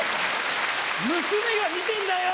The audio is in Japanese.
娘が見てんだよ！